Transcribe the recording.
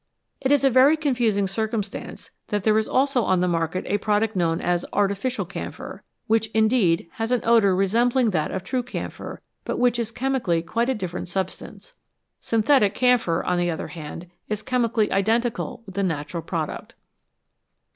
It is a very confusing circumstance that there is also on the market a product known as " artificial camphor," which, indeed, has an odour resembling that of true camphor, but which is chemically quite a different sub stance. Synthetic camphor, on the other hand, is chemi cally identical with the natural product.